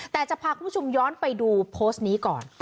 แต่จะพาคุณผู้ชมย้อนไปดูโพสต์นี้ก่อน